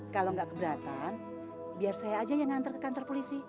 kalau nggak keberatan biar saya aja yang ngantar ke kantor polisi